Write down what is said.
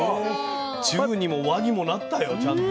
中にも和にもなったよちゃんと。